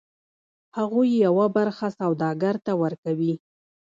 هغوی یوه برخه سوداګر ته ورکوي